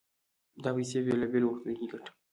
دا پيسې په بېلابېلو وختونو کې ګټم.